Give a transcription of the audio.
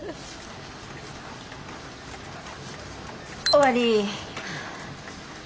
終わり。